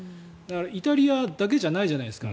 イタリアだけじゃないじゃないですか。